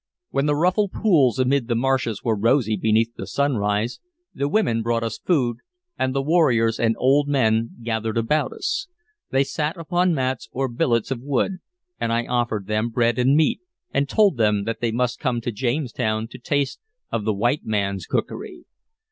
When the ruffled pools amid the marshes were rosy beneath the sunrise, the women brought us food, and the warriors and old men gathered about us. They sat upon mats or billets of wood, and I offered them bread and meat, and told them they must come to Jamestown to taste of the white man's cookery.